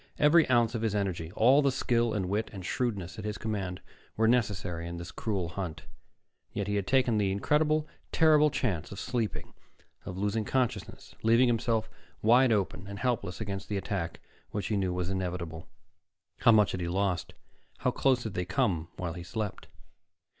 Every ounce of his energy, all the skill and wit and shrewdness at his command were necessary in this cruel hunt; yet he had taken the incredibly terrible chance of sleeping, of losing consciousness, leaving himself wide open and helpless against the attack which he knew was inevitable. How much had he lost? How close had they come while he slept?